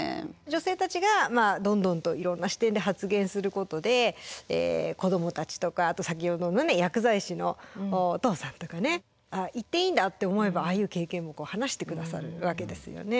女性たちがどんどんといろんな視点で発言することで子どもたちとかあと先ほどの薬剤師のお父さんとかねあっ言っていいんだって思えばああいう経験も話して下さるわけですよね。